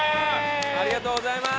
ありがとうございます。